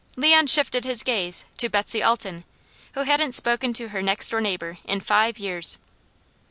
Leon shifted his gaze to Betsy Alton, who hadn't spoken to her next door neighbour in five years.